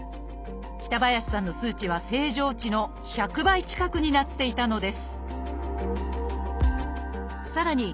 北林さんの数値は正常値の１００倍近くになっていたのですさらに